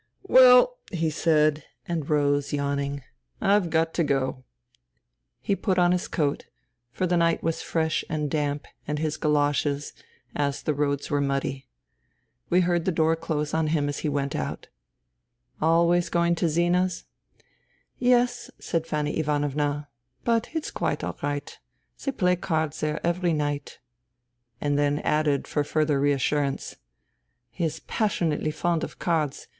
" Well !" he said, and rose, yawning. " I've got to go." He put on his coat, for the night was fresh and damp, and his goloshes, as the roads were muddy. We heard the door close on him as he went out. " Always going to Zina's ?"" Yes," said Fanny Ivanovna. " But it's quite all right. They play cards there every night." And then added for further reassurance :" He is passion ately fond of cards .